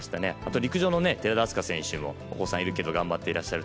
陸上の寺田明日香選手もお子さんいるけど頑張っていらっしゃる。